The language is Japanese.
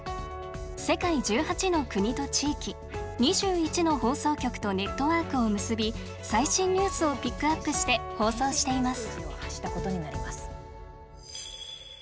世界１８の国と地域２１の放送局とネットワークを結び最新ニュースをピックアップして放送しています。